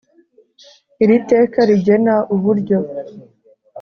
Iri teka rigena uburyo